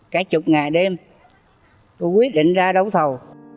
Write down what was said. cả chục ngày đêm tôi quyết định ra đấu thầu